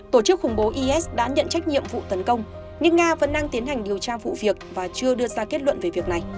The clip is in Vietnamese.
tổ chức khủng bố is đã nhận trách nhiệm vụ tấn công nhưng nga vẫn đang tiến hành điều tra vụ việc và chưa đưa ra kết luận về việc này